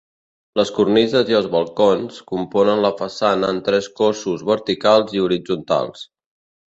Les cornises i els balcons, componen la façana en tres cossos verticals i horitzontals.